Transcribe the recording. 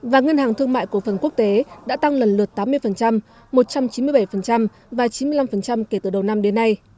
và ngân hàng thương mại cổ phần quốc tế đã tăng lần lượt tám mươi một trăm chín mươi bảy và chín mươi năm kể từ đầu năm đến nay